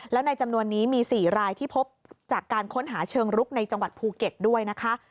แล้วในจำนวนนี้มี๔รายที่พบจากการค้นหาเชิงรุกในจังหวัดภูเก็ตด้วยนะคะ